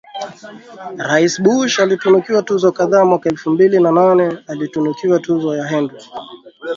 rais Bush alitunukiwa tuzo kadhaa Mwaka elfu mbili na nane alitunukiwa tuzo ya Henry